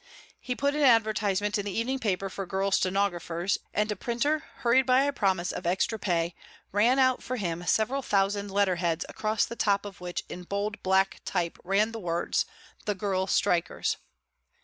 He put an advertisement in the evening paper for girl stenographers, and a printer, hurried by a promise of extra pay, ran out for him several thousand letter heads across the top of which in bold, black type ran the words, "The Girl Strikers."